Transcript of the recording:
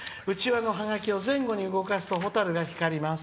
うちわを前後に動かすと、蛍が光ります」。